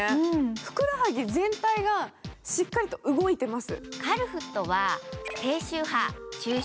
ふくらはぎ全体がしっかりと動いてます。